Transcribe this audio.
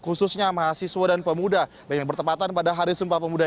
khususnya mahasiswa dan pemuda yang bertepatan pada hari sumpah pemuda